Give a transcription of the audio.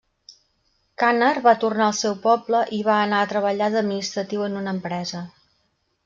Caner va tornar al seu poble i va anar a treballar d'administratiu en una empresa.